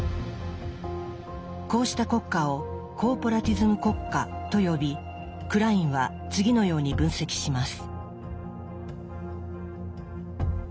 こうした国家を「コーポラティズム国家」と呼びクラインは次のように分析します。